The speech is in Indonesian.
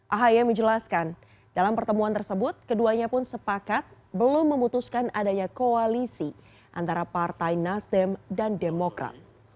ahy menjelaskan dalam pertemuan tersebut keduanya pun sepakat belum memutuskan adanya koalisi antara partai nasdem dan demokrat